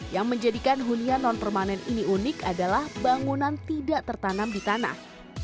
yang menjadikan hunian non permanen ini unik adalah bangunan tidak tertanam di tanah